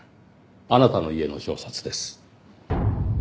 あなたの家の表札です。